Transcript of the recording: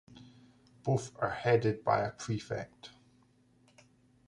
Both are headed by a prefect.